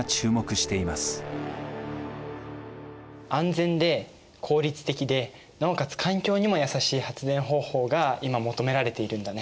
安全で効率的でなおかつ環境にも優しい発電方法が今求められているんだね。